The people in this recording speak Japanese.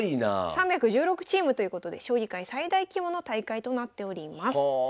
３１６チームということで将棋界最大規模の大会となっております。